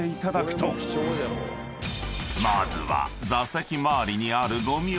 ［まずは］